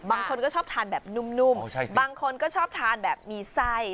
บางคนก็ชอบทานแบบนุ่มนุ่มอ๋อใช่สิบางคนก็ชอบทานแบบมีไส้